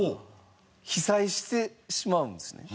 被災してしまうんですね。